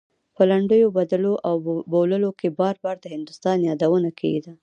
په لنډيو بدلو او بوللو کې بار بار د هندوستان يادونه کېده.